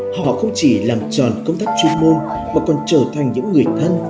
họ không chỉ làm tròn công tác chuyên môn mà còn trở thành những người thân